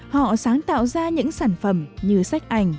họ sáng tạo ra những sản phẩm như sách ảnh